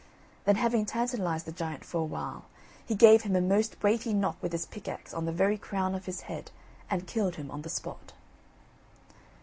Then having tantalised the giant for a while, he gave him a most weighty knock with his pickaxe on the very crown of his head, and killed him on the spot.